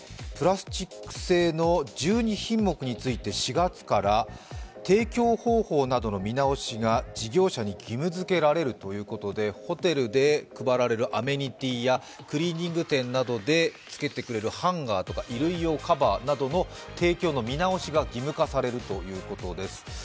プラスチック製の１２品目について４月から提供方法などの見直しが事業者に義務づけられるということで、ホテルで配られるアメニティーやクリーニング店などでつけてくれるハンガーとか衣類用カバーの提供の見直しが義務化されるということです。